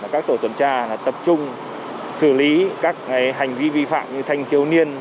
các tổ tuần tra tập trung xử lý các hành vi vi phạm như thanh thiếu niên